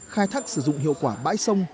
khai thác sử dụng hiệu quả bãi sông